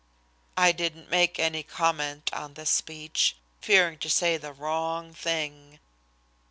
I didn't make any comment on this speech, fearing to say the wrong thing.